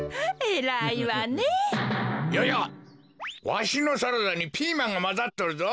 わしのサラダにピーマンがまざっとるぞ。